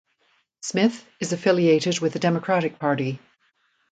Smith is affiliated with the Democratic party.